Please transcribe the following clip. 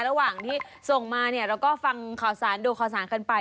ระหว่างที่ส่งมาเนี่ยเราก็ฟังข่าวสารดูข่าวสารกันไป